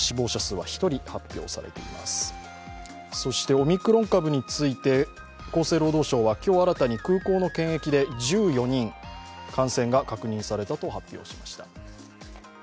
オミクロン株について厚生労働省は今日、新たに空港の検疫で１４人感染が確認されたと発表しました。